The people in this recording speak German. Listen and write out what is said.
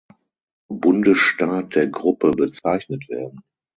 Bundesstaat der Gruppe bezeichnet werden.